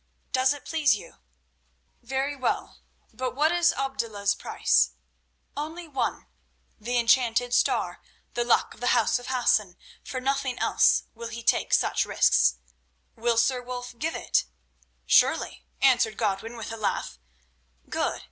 Does it please you?" "Very well; but what is Abdullah's price?" "One only—the enchanted star, the Luck of the House of Hassan; for nothing else will he take such risks. Will Sir Wulf give it?" "Surely," answered Godwin with a laugh. "Good.